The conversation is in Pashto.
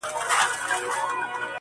هغه خو دا گراني كيسې نه كوي.